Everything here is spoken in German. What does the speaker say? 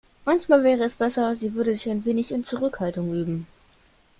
Manchmal wäre es besser, sie würde sich ein wenig in Zurückhaltung üben.